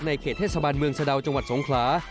เขตเทศบาลเมืองสะดาวจังหวัดสงขลา